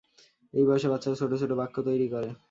এই বয়সে বাচ্চারা ছোট ছোট বাক্য তৈরি করে।